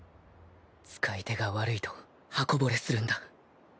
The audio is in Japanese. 使い手が悪いと刃こぼれするんだ